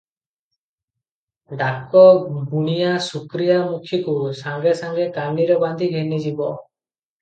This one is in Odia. ଡାକ, ଗୁଣିଆ ଶୁକ୍ରିଆ ମୁଖୀକୁ, ସାଙ୍ଗେ ସାଙ୍ଗେ କାନିରେ ବାନ୍ଧି ଘେନିଯିବ ।